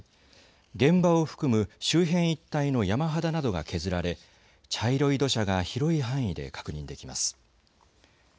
現場を含む周辺一帯の山肌などが削られ、茶色い土砂が広い範囲で確認できます。